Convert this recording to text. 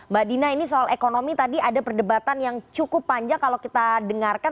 mbak dina ini soal ekonomi tadi ada perdebatan yang cukup panjang kalau kita dengarkan